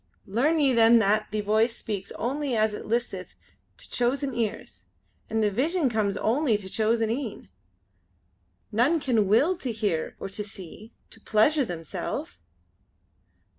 Learn ye then that the Voice speaks only as it listeth into chosen ears, and the Vision comes only to chosen een. None can will to hear or to see, to pleasure themselves."